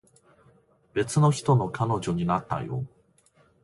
別の人の彼女になったよ